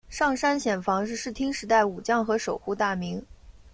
上杉显房是室町时代武将和守护大名。